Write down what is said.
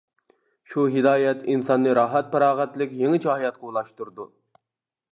شۇ ھىدايەت ئىنساننى راھەت-پاراغەتلىك يېڭىچە ھاياتقا ئۇلاشتۇرىدۇ.